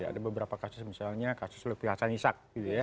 ada beberapa kasus misalnya kasus lepih hasan ishak